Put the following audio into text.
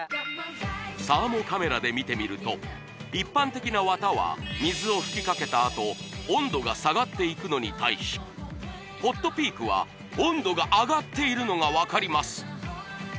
サーモカメラで見てみると一般的な綿は水を吹きかけた後温度が下がっていくのに対しホットピークは温度が上がっているのが分かります